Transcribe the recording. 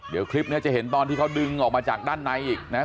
เดี๋ยวคลิปนี้จะเห็นตอนที่เขาดึงออกมาจากด้านในอีกนะครับ